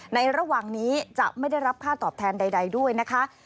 ในระหว่างนี้จะไม่ได้รับค่าตอบแทนใดด้วยนะคะ